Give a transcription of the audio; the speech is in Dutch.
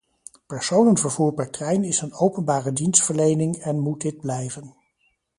Personenvervoer per trein is een openbare dienstverlening en moet dit blijven.